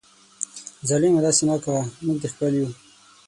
ظالمه داسي مه کوه ، موږ دي خپل یو